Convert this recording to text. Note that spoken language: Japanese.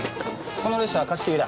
この列車は貸切だ。